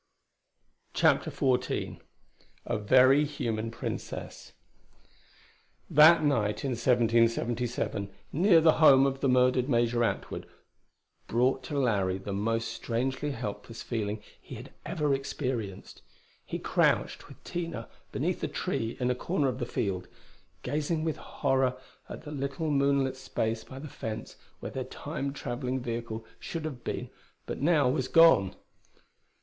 CHAPTER XIV A Very Human Princess That night in 1777 near the home of the murdered Major Atwood brought to Larry the most strangely helpless feeling he had ever experienced. He crouched with Tina beneath a tree in a corner of the field, gazing with horror at the little moonlit space by the fence where their Time traveling vehicle should have been but now was gone.